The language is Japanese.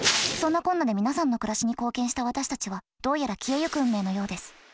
そんなこんなで皆さんの暮らしに貢献した私たちはどうやら消えゆく運命のようです。